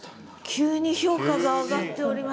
急に評価が上がっております。